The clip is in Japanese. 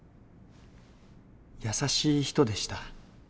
優しい人でした。